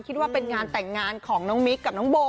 คิดว่าเป็นงานแต่งงานของน้องมิ๊กกับน้องโบ